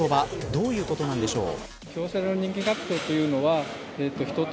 どういうことなんでしょう。